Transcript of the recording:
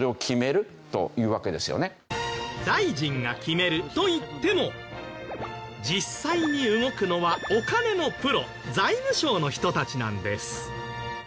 大臣が決めるといっても実際に動くのはお金のプロ財務省の人たちなんです。